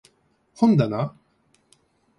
本だな